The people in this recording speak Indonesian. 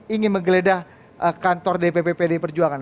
ingin menggeledah kantor dpp pdi perjuangan